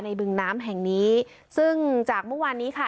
บึงน้ำแห่งนี้ซึ่งจากเมื่อวานนี้ค่ะ